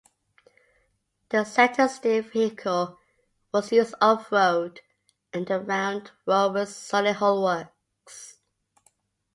The centre-steer vehicle was used off-road in and around Rover's Solihull works.